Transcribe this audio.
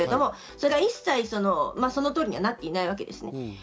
それが一切、その通りにはなっていないわけです。